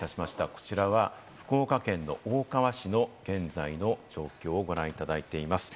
こちらは福岡県の大川市の現在の状況をご覧いただいています。